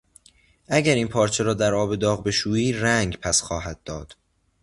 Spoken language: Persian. اگر این پارچه را در آب داغ بشویی رنگ پس خواهد داد.